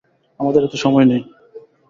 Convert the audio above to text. আমাদের এতো সময় নেই।